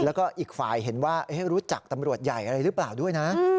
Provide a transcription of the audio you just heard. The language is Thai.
แล้วก็อีกฝ่ายเห็นว่ารู้จักตำรวจใหญ่อะไรหรือเปล่าด้วยนะ